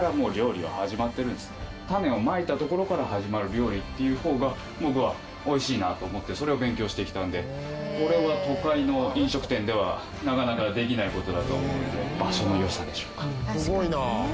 種をまいたところから始まる料理っていう方が僕は美味しいなと思ってそれを勉強してきたのでこれは都会の飲食店ではなかなかできない事だと思うので場所の良さでしょうか。